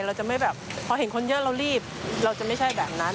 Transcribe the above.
เราจะไม่แบบพอเห็นคนเยอะเรารีบเราจะไม่ใช่แบบนั้น